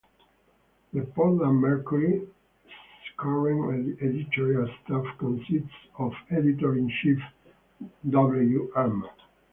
"The Portland Mercury"'s current editorial staff consists of Editor-in-Chief Wm.